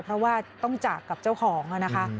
เพราะว่าต้องจากกับเจ้าของนะคะ